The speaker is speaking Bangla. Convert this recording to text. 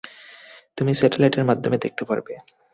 তুমি স্যাটেলাইট এর মাধ্যমে দেখতে পারবে।